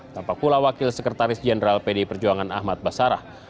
tanpa pula wakil sekretaris jenderal pd perjuangan ahmad basarah